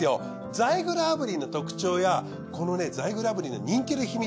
ザイグル炙輪の特徴やこのザイグル炙輪の人気の秘密。